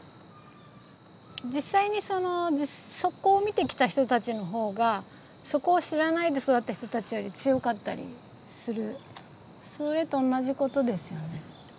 実際にその底を見てきた人たちの方が底を知らないで育った人たちより強かったりするそれと同じことですよね。